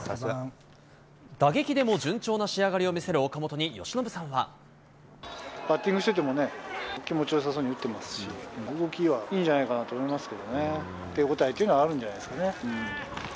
打撃でも順調な仕上がりを見バッティングしててもね、気持ちよさそうに打ってますし、動きはいいんじゃないかなと思い手応えというのはあるんじゃないですかね。